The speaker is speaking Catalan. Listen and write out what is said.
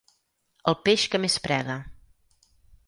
El peix que més prega.